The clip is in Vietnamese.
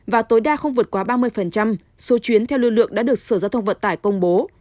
và tối đa không vượt quá ba mươi số chuyến theo lưu lượng đã được sở giao thông vận tải công bố